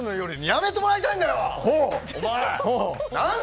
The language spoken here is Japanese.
やめてもらいたいんだよ！